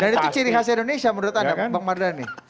dan itu ciri khas indonesia menurut anda bang mardhani